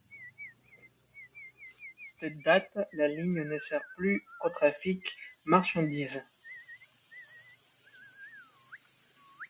Depuis cette date, la ligne ne sert plus qu'au trafic marchandise.